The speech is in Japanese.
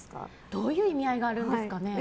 どういう意味合いがあるんですかね。